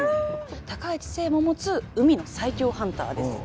高い知性も持つ海の最強ハンターです。